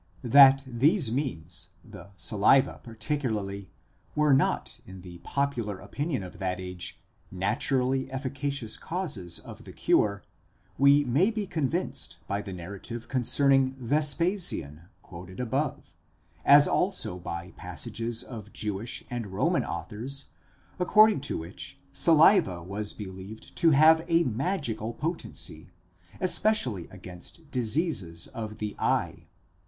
That these means, the saliva particularly, were not in the popular opinion of that age naturally efficacious causes of the cure, we may be convinced by the narrative concerning Vespasian quoted above, as also by passages of Jewish and Roman authors, according to which saliva was believed to have a magical potency, especially against diseases of the eye.